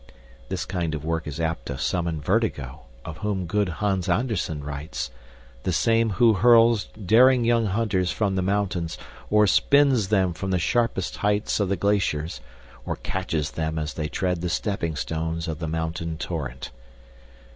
This kind of work is apt to summon vertigo, of whom good Hans Anderson writes the same who hurls daring young hunters from the mountains or spins them from the sharpest heights of the glaciers or catches them as they tread the stepping stones of the mountain torrent.